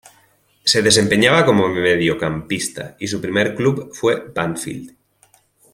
Se desempeñaba como mediocampista y su primer club fue Banfield.